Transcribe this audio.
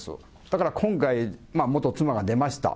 だから今回、元妻が出ました。